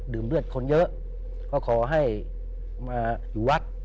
เลือดคนเยอะก็ขอให้มาอยู่วัด